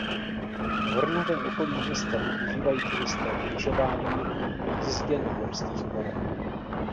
Hornaté okolí města využívají turisté k lyžování a jízdě na horských kolech.